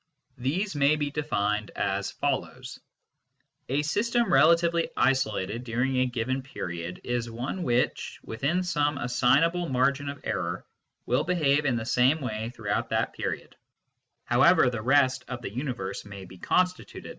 These may be defined as follows : A system relatively isolated during a given period is one which, within some assignable margin of error, will behave in the same way throughout that period, however the rest of the universe may be constituted.